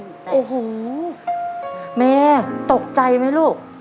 โอ้โหเมย์ตกใจไหมลูก